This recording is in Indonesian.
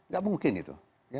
gak mungkin itu